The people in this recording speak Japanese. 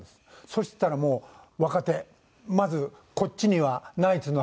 そしたらもう若手まずこっちにはナイツの塙君。